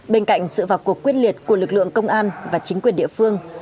bên cạnh sự vào cuộc quyết liệt của lực lượng công an và chính quyền địa phương